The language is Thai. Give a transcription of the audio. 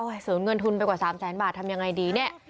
ศูนย์เงินทุนไปกว่า๓แสนบาททำยังไงดีเนี่ย